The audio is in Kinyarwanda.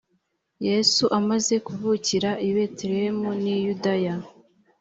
yesu amaze kuvukira i betelehemu n y i yudaya